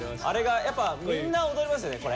あれがやっぱみんな踊れますよね